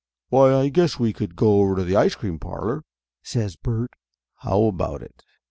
"Why, I guess we could go over to the ice cream parlor/' says Bert. "How about it?"